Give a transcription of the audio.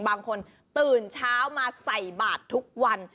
บางคนตื่นเช้ามาใส่บาททุกวัน